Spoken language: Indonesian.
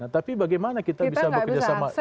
tapi bagaimana kita bisa bekerja sama dengan namru ii